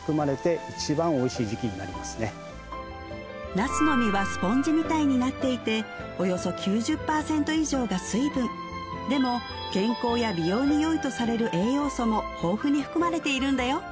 なすの身はスポンジみたいになっていておよそ９０％以上が水分でも健康や美容に良いとされる栄養素も豊富に含まれているんだよ